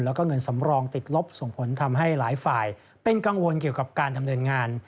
แล้วก็เงินสำรองติดลบส่งผลทำให้หลายฝ่ายเป็นกังวลเกี่ยวกับการดำเนินงาน